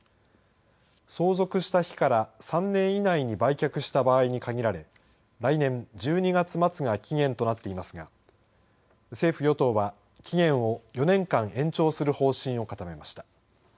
相続した日から３年以内に売却した場合に限られ来年１２月末が期限となっていますが政府、与党は期限を４年間延長する方針を固めました。